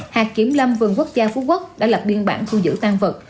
hạt kiểm lâm vườn quốc gia phú quốc đã lập biên bản thu giữ tan vật